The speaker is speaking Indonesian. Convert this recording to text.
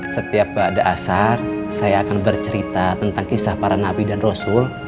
setiap keadaan asal saya akan bercerita tentang kisah para nabi dan rosul